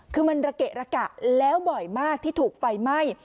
คือมันระเกะระกะแล้วบ่อยมากที่ถูกไฟไหม้